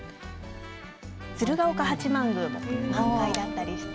鶴岡八幡宮、満開だったりして。